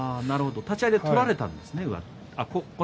立ち合いで取られたんですね。